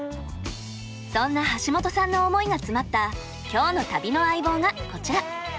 そんな橋本さんの思いが詰まった今日の旅の相棒がこちら。